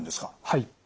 はい。